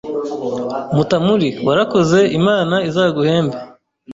” Mutamuri warakoze Imana izaguhembe’